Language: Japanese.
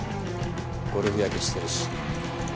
ゴルフ焼けしてるし。